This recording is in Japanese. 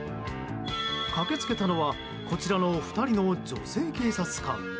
駆けつけたのはこちらの２人の女性警察官。